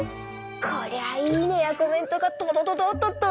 こりゃ「いいね」や「コメント」がドドドドーッとど